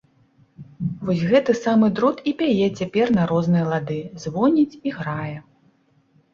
Вось гэты самы дрот і пяе цяпер на розныя лады, звоніць і грае.